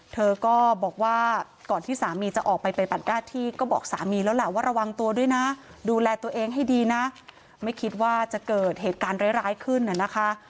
เธอก็บอกว่าก่อนที่สามีจะออกไปปฏิบัติหน้าที่ก็บอกสามีแล้วล่ะว่าระวังตัวด้วยนะดูแลตัวเองให้ดีนะไม่คิดว่าจะเกิดเหตุการณ์ร้ายขึ้นน่ะนะคะ